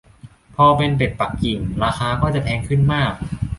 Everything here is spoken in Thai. พอเป็นเป็ดปักกิ่ง ราคาก็จะแพงขึ้นมาก